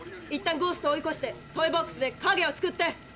いったんゴーストを追いこしてトイボックスで影を作って。